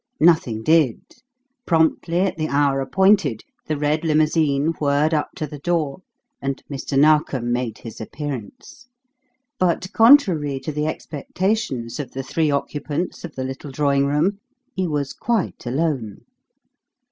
Nothing did. Promptly at the hour appointed, the red limousine whizzed up to the door, and Mr. Narkom made his appearance. But, contrary to the expectations of the three occupants of the little drawing room, he was quite alone.